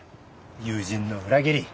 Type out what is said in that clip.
友人の裏切り。